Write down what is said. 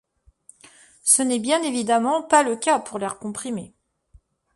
Ce n'est bien évidemment pas le cas pour l'air comprimé.